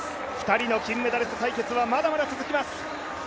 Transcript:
２人の金メダリスト対決はまだまだ続きます。